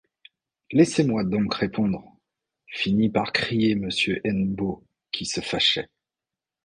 Laissez-moi donc répondre, finit par crier Monsieur Hennebeau, qui se fâchait.